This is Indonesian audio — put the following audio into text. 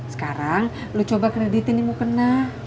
sekarang lo coba kreditin yang mau kena